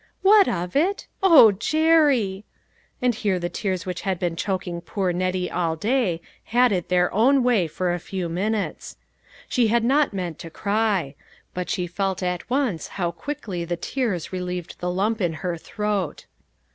" What of it? O Jerry !" and here the tears which had been choking poor Nettie all day had it their own way for a few minutes. She had not meant to cry; but she felt at once how quickly the tears relieved the lump in her throat.